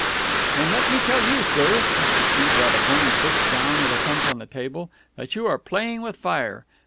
"Then let me tell you, sir " Mr. Pugh brought a bony fist down with a thump on the table "that you are playing with fire.